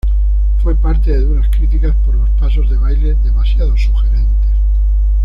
Fue parte de duras críticas por los pasos de baile demasiado sugerentes.